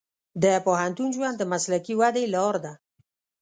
د پوهنتون ژوند د مسلکي ودې لار ده.